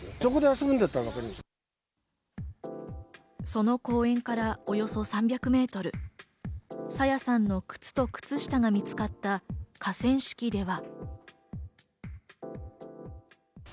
その公園からおよそ３００メートル、朝芽さんの靴と靴下が見つかった河川敷では。